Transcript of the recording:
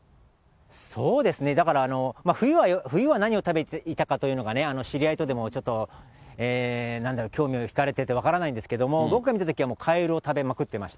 そうですね、だから、冬は何を食べていたかというのが、知り合いとでもなんだろう、興味を引かれてて分からないんですけれども、僕が見たときはカエルを食べまくってました。